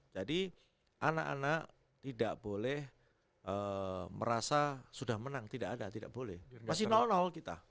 jadi anak anak tidak boleh merasa sudah menang tidak ada tidak boleh masih kita